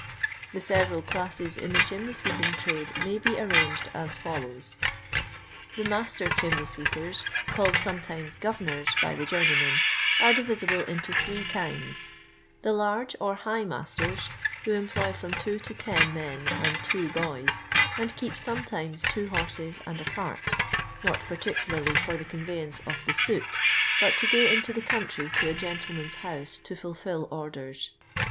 The several classes in the chimney sweeping trade may be arranged as fallows :— The Mastrr On'mnetf Strttj/ers, called someiimos Governors'" by the journeymen, are divisible into three kinds: — The "large" or "high master*," who employ from 2 to 10 men and 2 boyit, and keep sometimes 3 horses and a cut t, not particularly for the con veyance of the soot, but to gri into the country tj a gentleman's house to fulfil orders.